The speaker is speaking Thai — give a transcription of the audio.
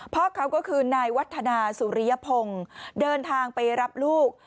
พ่อเขาก็คือนายวัฒนาสุริยพงศ์เดินทางไปรับลูก